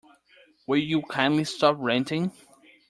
Will you kindly stop ranting?